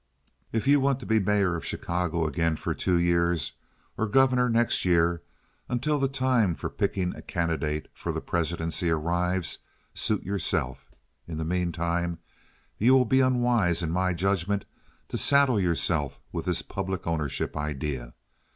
If you want to be mayor of Chicago again for two years or governor next year, until the time for picking a candidate for the Presidency arrives, suit yourself. In the mean time you will be unwise, in my judgment, to saddle yourself with this public ownership idea.